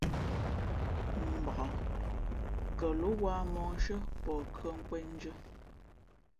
Mbak kάló wāha móhshʉ̄ᾱ pαh khʉᾱ nkwēn ndʉ̄ᾱ.